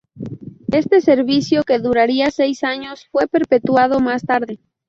Este servicio, que duraría seis años, fue perpetuado más tarde.